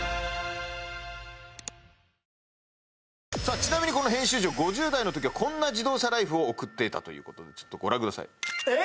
ちなみにこの編集長５０代のときはこんな自動車ライフを送っていたということでちょっとご覧くださいえっ？